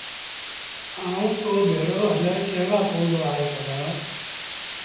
آئوٚنٚ تو ڀيڙو هڃر ڪݩهݩ لآ ڪوندو آئي سگھآݩٚ؟